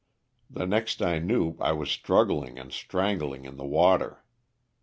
The next I knew I was struggling and strangling in the water.